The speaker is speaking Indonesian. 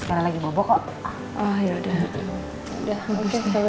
biar mama sama oma bersih bersih dulu ya